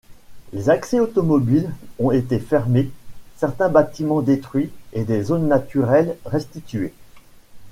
Les accès automobiles ont été fermés, certains bâtiments détruits et des zones naturelles restituées.